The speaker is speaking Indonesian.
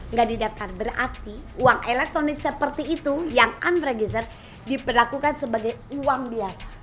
nggak didaftar berarti uang elektronik seperti itu yang unregister diperlakukan sebagai uang biasa